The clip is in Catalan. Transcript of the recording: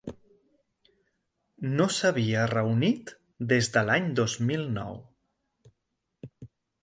No s’havia reunit des de l’any dos mil nou.